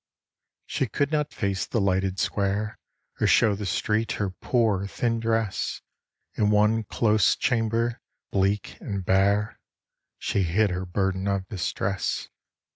She could not face the lighted square, Or show the street her poor, thin dress; In one close chamber, bleak and bare, She hid her burden of distress.